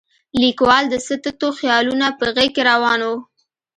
لیکوال د څه تتو خیالونه په غېږ کې راون و.